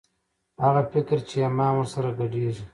هغه فکر چې ایمان ور سره ګډېږي